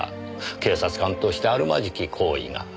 「警察官としてあるまじき行為が」。